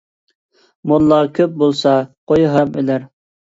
موللا كۆپ بولسا، قوي ھارام ئۆلەر.